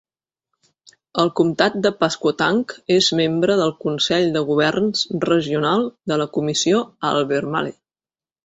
El comtat de Pasquotank és membre del consell de governs regional de la Comissió Albemarle.